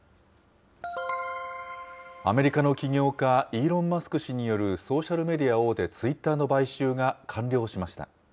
アメリカの起業家、イーロン・マスク氏によるソーシャルメディア大手、ツイッターの買収が完了しました。